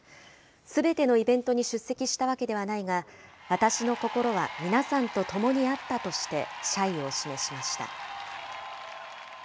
すべてのイベントに出席したわけではないが、私の心は皆さんと共にあったとして、謝意を示しました。